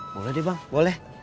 boleh deh bang boleh